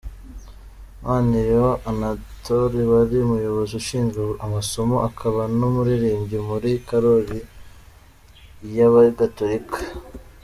Maniriho Anathole wari Umuyobozi ushinzwe amasomo akaba n’ umuririmbyi muri korari y’ abagatolika.